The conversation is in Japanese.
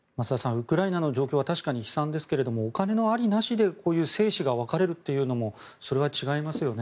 ウクライナの状況は確かに悲惨ですけどもお金のありなしで生死が分かれるというのもそれは違いますよね。